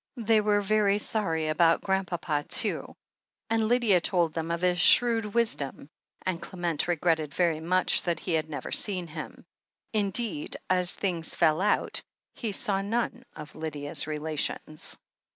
They were sorry about Grandpapa, too, and Lydia told them of his shrewd wisdom, and Clement regretted very much that he had never seen him. Indeed, as things fell out, he saw none of Lydia's relations.